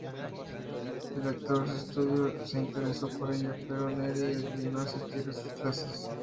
El Actors Studio se interesó por ella, pero Neri declinó asistir a sus clases.